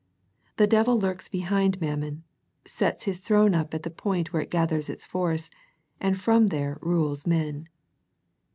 The devil lurks behind Mam mon, sets his throne up at the point where it gathers its force, and from there rules men.